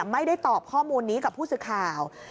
ไม่ได้ตอบข้อมูลนี้กับผู้สื่อข่าว